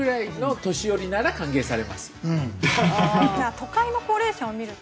都会の高齢者を見ると。